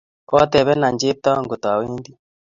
Kotepena Cheptoo ngot awendi